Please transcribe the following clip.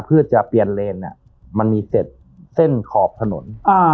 เพื่อจะเปลี่ยนเลนเนี้ยมันมีเสร็จเส้นขอบถนนอ่า